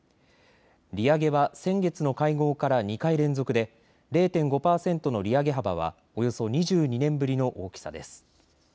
利上げは先月の会合から２回連続で０．５％の利上げ幅はおよそ２２年ぶりの大きさです。